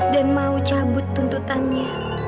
dan mau cabut tuntutannya